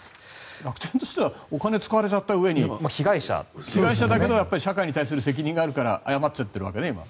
楽天としてはお金、使われちゃったうえに被害者だけど社会に対する責任があるから謝っちゃってるわけね、今。